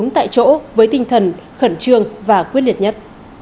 bốn tại chỗ với tinh thần khẩn trương và quyết liệt nhất